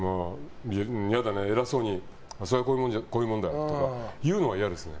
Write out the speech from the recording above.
偉そうにそれはこういうもんだよとか言うの嫌ですね。